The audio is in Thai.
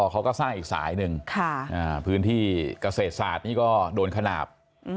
เขาก็สร้างอีกสายหนึ่งพื้นที่เกษตรศาสตร์นี่ก็โดนขนาด